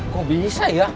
kok bisa ya